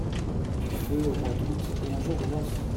Du feu… au mois d’août… et un jour de noces !